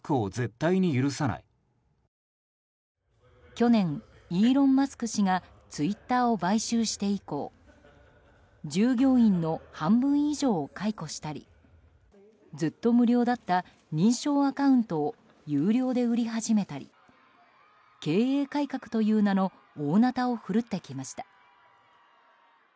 去年、イーロン・マスク氏がツイッターを買収して以降従業員の半分以上を解雇したりずっと無料だった認証アカウントを有料で売り始めたり経営改革という名の大なたを振るってきました。